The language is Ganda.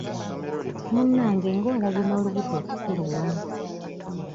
Munnange ng'olabye n'olubuto okukuluma.